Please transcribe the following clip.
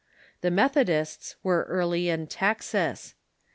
The Methodists were earlv in Texas.